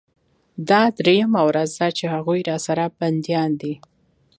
دا درېيمه ورځ ده چې هغوى راسره بنديان دي.